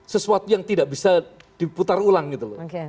sesuatu yang tidak bisa diputar ulang gitu loh